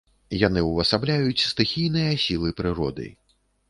Яны ўвасабляюць стыхійныя сілы прыроды.